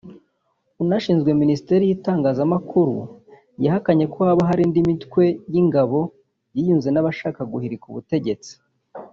unashinzwe Ministeri y’itangazamakuru yahakanye ko haba hari indi mitwe y’ingabo yiyunze n’abashakaga guhirika ubutegetsi